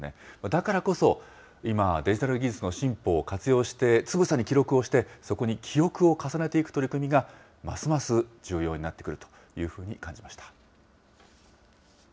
だからこそ、今はデジタル技術の進歩を活用して、つぶさに記録をして、そこに記憶を重ねていく取り組みがますます重要になってくるというふうに感じました。